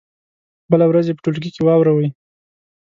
بله ورځ یې په ټولګي کې واوروئ.